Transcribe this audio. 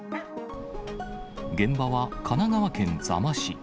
現場は神奈川県座間市。